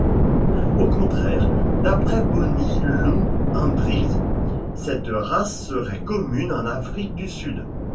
Au contraire, d'après Bonnie Lou Hendricks, cette race serait commune en Afrique du Sud.